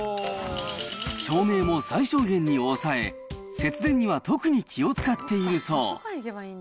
照明も最小限に抑え、節電には特に気を遣っているそう。